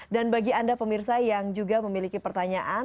dan bagi anda pemirsa yang juga memiliki pertanyaan